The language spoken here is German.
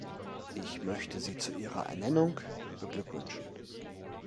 Ich möchte sie zu ihrer Ernennung beglückwünschen.